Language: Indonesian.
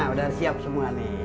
udah siap semua nih